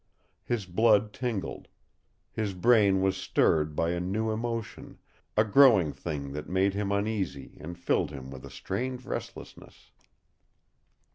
His blood tingled. His brain was stirred by a new emotion, a growing thing that made him uneasy and filled him with a strange restlessness.